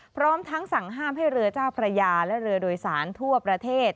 พร้อมทั้งสั่งห้ามให้เรือเจ้าพระยาและเรือโดยสารทั่วประเทศ